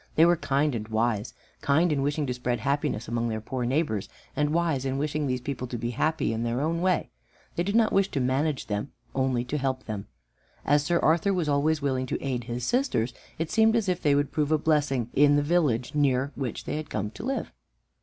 They were kind and wise; kind in wishing to spread happiness among their poor neighbors, and wise in wishing these people to be happy in their own way. They did not wish to manage them, but only to help them. As Sir Arthur was always willing to aid his sisters, it seemed as if they would prove a blessing in in the village near which they had come to live.